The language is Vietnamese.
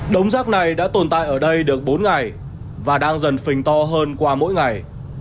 đống rác này đã tồn tại ở đây được bốn ngày và đang dần phình to hơn qua mỗi ngày